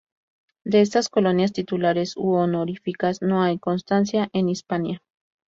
De estas colonias titulares u honoríficas no hay constancia en Hispania.